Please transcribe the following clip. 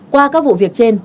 qua các vụ việc trên